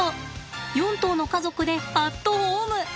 ４頭の家族でアットホーム。